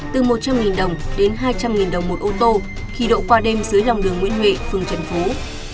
từ một trăm linh đồng đến hai trăm linh đồng một ô tô khi độ qua đêm dưới lòng đường nguyễn huệ phường trần phú